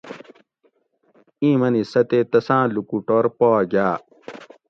ایں منی سہ تے تساۤں لوکوٹور پا گاۤ